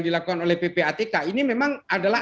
dilakukan oleh ppatk ini memang adalah